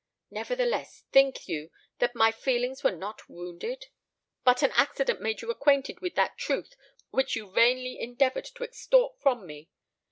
Nevertheless, think you that my feelings were not wounded? But an accident made you acquainted with that truth which you vainly endeavoured to extort from me!